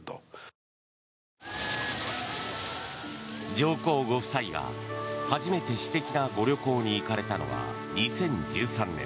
上皇ご夫妻が初めて私的なご旅行に行かれたのは２０１３年。